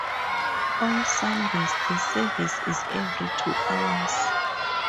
On Sundays the service is every two hours.